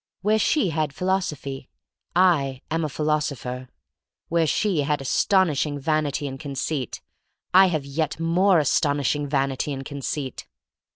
Where she had philosophy, I am a philosopher. Where she had astonishing vanity and conceit, I have yet more astonish ing vanity and conceit.